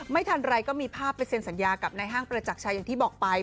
ไม่ทันไรก็มีภาพไปเซ็นสัญญากับนายห้างประจักรชัยอย่างที่บอกไป